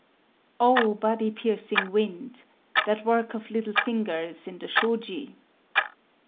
—"_Oh, body piercing wind!—that work of little fingers in the shōji!